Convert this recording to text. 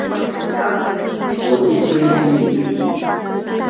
逻辑清晰！